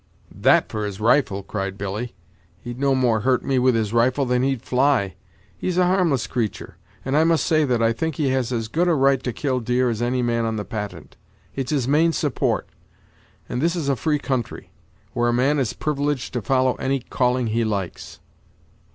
"That for his rifle!" cried Billy; "he'd no more hurt me with his rifle than he'd fly. He's a harmless creatur', and I must say that I think he has as good right to kill deer as any man on the Patent. It's his main support, and this is a free country, where a man is privileged to follow any calling he likes."